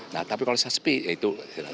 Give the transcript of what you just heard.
nah tapi kalau suspe itu